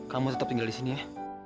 kamu tetep tinggal disini ya